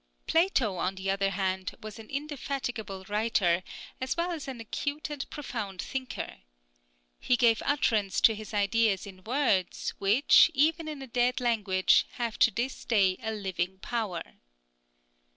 Plato, on the other hand, was an indefatigable writer, as well as an acute and profound thinker. He gave utterance to his ideas in words which, even in a dead language, have to this day a living power.